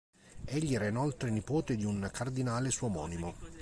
Egli era inoltre nipote di un cardinale suo omonimo.